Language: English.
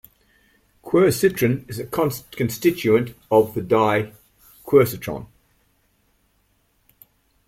Quercitrin is a constituent of the dye quercitron.